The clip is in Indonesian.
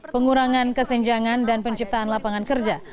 pengurangan kesenjangan dan penciptaan lapangan kerja